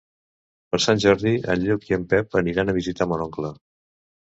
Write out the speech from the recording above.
Per Sant Jordi en Lluc i en Pep aniran a visitar mon oncle.